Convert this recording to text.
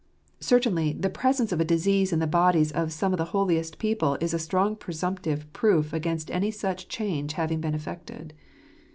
Certainly, the presence of disease in the bodies of some of the holiest people is a strong presumptive proof against any such change having been effected.